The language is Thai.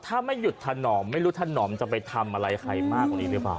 ถ้าไม่หยุดถนอมไม่รู้ถนอมจะไปทำอะไรใครมากกว่านี้หรือเปล่า